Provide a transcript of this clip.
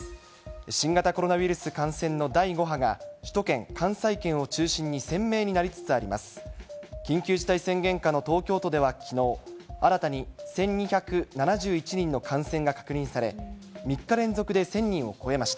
新型コロナウイルス感染の第５波が、首都圏、関西圏を中心に鮮明になりつつあります。